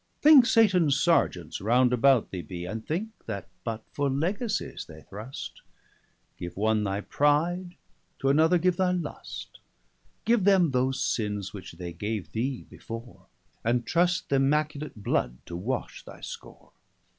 Thinke Satans Sergeants round about thee bee, And thinke that but for Legacies they thrust; Give one thy Pride, to'another give thy Lust: Give them those sinnes which they gave thee before, 105 And trust th'immaculate blood to wash thy score.